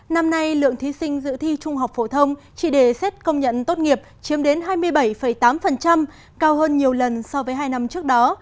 năm nay lượng thí sinh dự thi trung học phổ thông chỉ để xét công nhận tốt nghiệp chiếm đến hai mươi bảy tám cao hơn nhiều lần so với hai năm trước đó